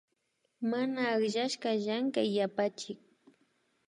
Mana akllashka Llankay yapachik